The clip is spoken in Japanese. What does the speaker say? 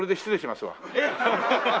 えっ！？